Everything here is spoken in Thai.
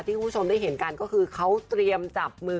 คุณผู้ชมได้เห็นกันก็คือเขาเตรียมจับมือ